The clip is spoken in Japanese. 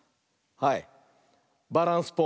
はい！